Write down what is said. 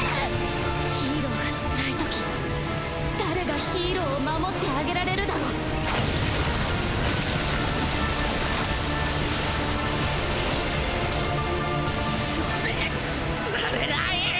ヒーローがつらい時誰がヒーローを守ってあげられるだろう止めっられない！